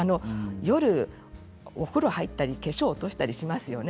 夜、お風呂入ったりお化粧を落としたりしますよね